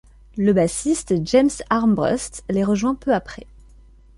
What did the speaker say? Le bassiste James Armbrust les rejoint peu après.